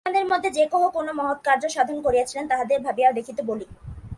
আপনাদের মধ্যে যে-কেহ কোন মহৎ কার্য সাধন করিয়াছেন, তাঁহাকেই ভাবিয়া দেখিতে বলি।